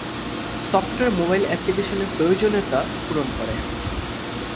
Software mobile অ্যাপ্লিকেশনের প্রয়োজনীয়তা পূরণ করে।